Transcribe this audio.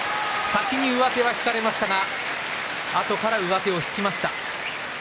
上手は引かれましたがあとから上手を引きました。